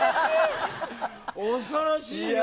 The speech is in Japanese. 恐ろしいよ。